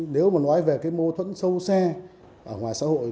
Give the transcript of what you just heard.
nếu mà nói về cái mâu thuẫn sâu xe ở ngoài xã hội